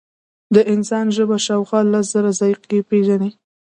د انسان ژبه شاوخوا لس زره ذایقې پېژني.